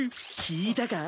聞いたか？